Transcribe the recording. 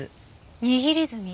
握り墨？